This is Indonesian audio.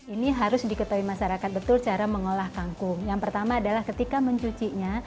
ini harus diketahui masyarakat betul cara mengolah kangkung yang pertama adalah ketika mencucinya